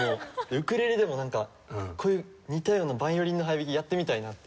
ウクレレでもなんかこういう似たようなヴァイオリンの速弾きやってみたいなって。